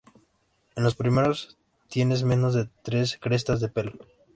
En los primeros tienes menos de tres crestas de pelo.